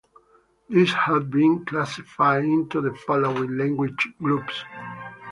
These have been classified into the following language groups.